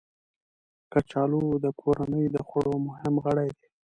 کچالو د کورنۍ د خوړو مهم غړی دی